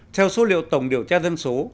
theo số liệu tổng điều tra dân số